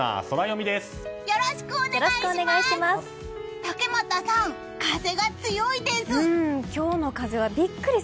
竹俣さん、風が強いです。